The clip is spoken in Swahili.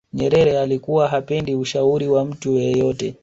nyerere alikuwa hapendi ushauri wa mtu yeyote